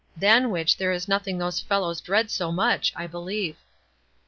Than which there is nothing those fellows dread so much, I believe."